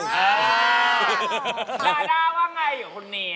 ดาวว่าไงกับคุณเนีย